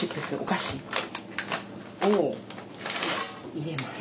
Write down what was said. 入れます。